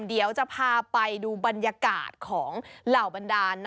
เดี๋ยวจะพาไปดูบรรยากาศของเหล่าบรรดาล